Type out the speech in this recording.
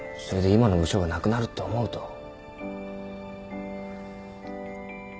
それで今の部署がなくなるって思うと。